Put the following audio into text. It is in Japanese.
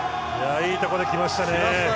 いいところできましたね。